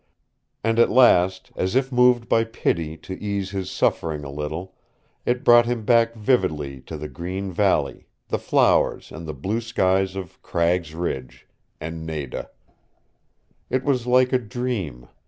And at last, as if moved by pity to ease his suffering a little, it brought him back vividly to the green valley, the flowers and the blue skies of Cragg's Ridge and Nada. It was like a dream.